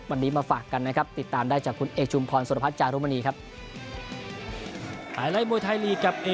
วันนี้มาฝากกันนะครับติดตามได้จากคุณเอกชุมพรสุรพัฒน์จารุมณีครับ